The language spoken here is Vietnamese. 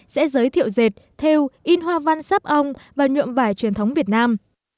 sẽ giới thiệu dệt thêu in hoa văn sắp ong và nhuộm vải truyền thống việt nam